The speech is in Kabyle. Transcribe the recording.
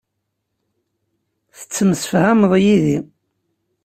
Tettemsefhameḍ yid-i.